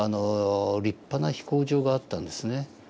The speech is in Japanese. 立派な飛行場があったんですね。